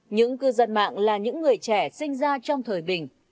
những cư dân mạng là những người trẻ sinh ra trong thời bình